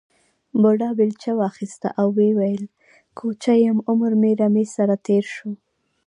بوډا بېلچه واخیسته او وویل کوچی یم عمر مې رمې سره تېر شو.